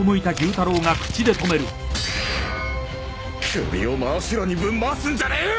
首を真後ろにぶん回すんじゃねえよ！